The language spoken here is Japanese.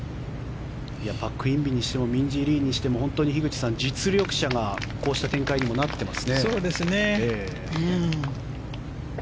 パク・インビにしてもミンジー・リーにしても本当に樋口さん、実力者がこうした展開にもなっていますね。